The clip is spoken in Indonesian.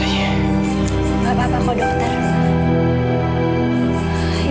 gak apa apa dokter